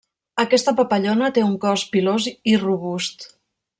Aquesta papallona té un cos pilós i robust.